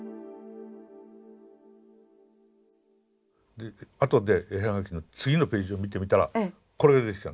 であとで絵葉書の次のページを見てみたらこれが出てきたんです。